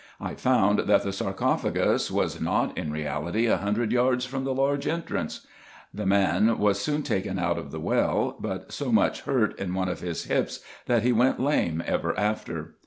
I found that the sarcophagus was not in reality a hundred yards from the large entrance. The man was soon taken out of the well, but so much hurt in one of his hips, that he went lame ever after.